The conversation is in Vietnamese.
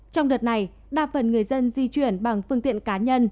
trong đợt này đa phần người dân di chuyển bằng phương tiện cá nhân